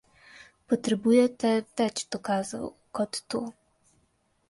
Potrebujete več dokazov kot to.